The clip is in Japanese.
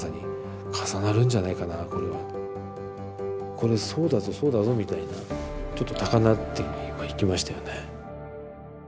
これそうだぞそうだぞみたいなちょっと高鳴ってはいきましたよね。